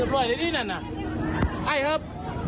เพื่อนหน้าด้วยครับ